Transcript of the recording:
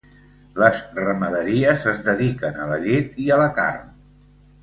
Les ramaderies es dediquen a la llet i a la carn.